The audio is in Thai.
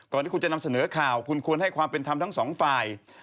ที่คุณจะนำเสนอข่าวคุณควรให้ความเป็นธรรมทั้งสองฝ่าย